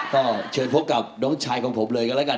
ก็เชิญพบกับน้องชายของผมเลยกันแล้วกัน